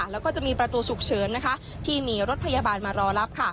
แล้วก็จะมีประตูฉุกเฉินที่มีรถพยาบาลมารอรับ